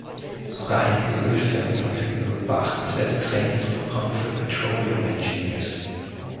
Sogar einige Ölfirmen verfügen über beachtenswerte Trainingsprogramme für "Petroleum engineers".